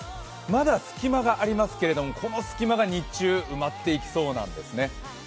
まだ隙間がありますけど、この隙間が日中埋まっていきそうなんですね。